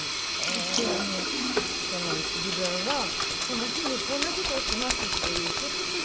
そして自分はこの日にこんな事をしますっていうちょっとした。